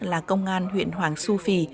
là công an huyện hoàng su phi